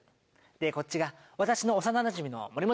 でこっちが私の幼なじみの森本。